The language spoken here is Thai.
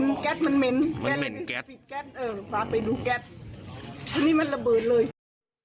มันเหม็นแก๊สเออป้าไปดูแก๊สอันนี้มันระเบิดเลย